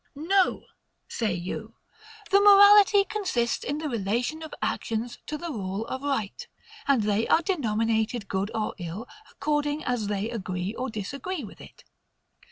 No, say you, the morality consists in the relation of actions to the rule of right; and they are denominated good or ill, according as they agree or disagree with it.